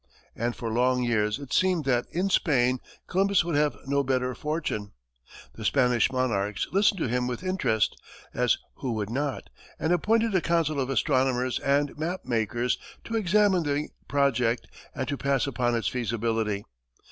And for long years it seemed that, in Spain, Columbus would have no better fortune. The Spanish monarchs listened to him with interest as who would not? and appointed a council of astronomers and map makers to examine the project and to pass upon its feasibility.